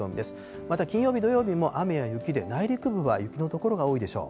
また金曜日、土曜日も雨や雪で、内陸部は雪の所が多いでしょう。